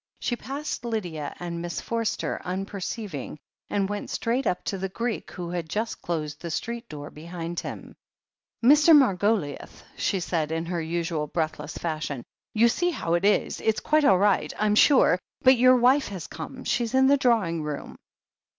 She passed Lydia and Miss Forster unperceiving, and went straight up to the Greek, who had just closed the street door behind him. i8o THE HEEL OF ACHILLES ''Mr. Margoliouth I" she said, in her usual breathless fashion. "You see how it is — ^it's quite all right, Vm sure ... but your wife has come. She's in the draw ing room."